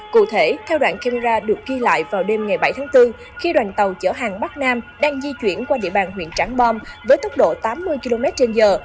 cụ thể theo đoạn camera được ghi lại vào đêm ngày bảy tháng bốn khi đoàn tàu chở hàng bắc nam đang di chuyển qua địa bàn huyện trảng bom với tốc độ tám mươi km trên giờ